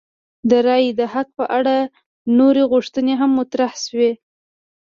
د رایې د حق په اړه نورې غوښتنې هم مطرح شوې.